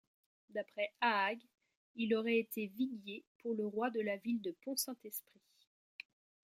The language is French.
D'après Haag il aurait été viguier pour le roi de la ville de Pont-Saint-Esprit.